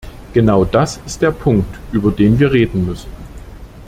Genau das ist der Punkt, über den wir reden müssen.